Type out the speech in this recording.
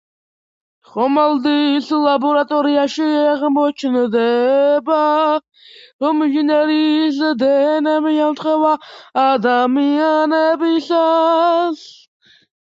ხომალდის ლაბორატორიაში აღმოჩნდება, რომ ინჟინერის დნმ ემთხვევა ადამიანებისას.